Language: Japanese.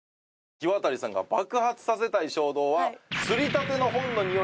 ひわたりさんが爆発させたい衝動は。